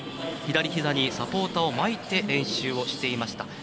左ひざにサポーターを巻いて練習をしていました。